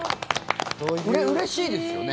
これ、うれしいですよね。